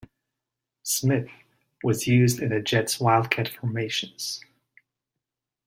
Smith was used in the Jets' wildcat formations.